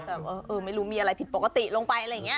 แต่ไม่รู้มีอะไรผิดปกติลงไปอะไรอย่างนี้